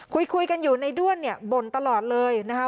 คุยกันอยู่ในด้วนเนี่ยบ่นตลอดเลยนะคะ